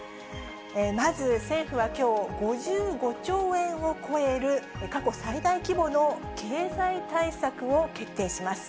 まず政府はきょう、５５兆円を超える過去最大規模の経済対策を決定します。